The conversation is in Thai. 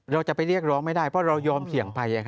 เราจะไปเรียกร้องไม่ได้เพราะเรายอมเสี่ยงภัย